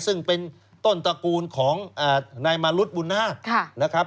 ซึ่งเป็นต้นตระกูลของนายมารุธบุญนาคนะครับ